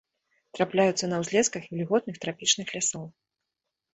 Трапляюцца на ўзлесках вільготных трапічных лясоў.